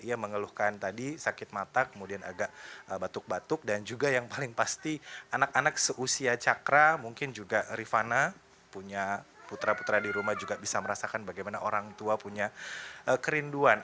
ia mengeluhkan tadi sakit mata kemudian agak batuk batuk dan juga yang paling pasti anak anak seusia cakra mungkin juga rifana punya putra putra di rumah juga bisa merasakan bagaimana orang tua punya kerinduan